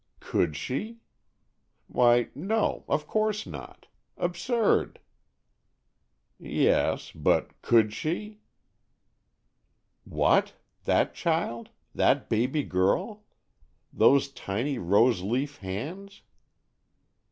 Could she? Why, no, of course not! Absurd! Yes, but could she? What? That child? That baby girl? Those tiny, rose leaf hands!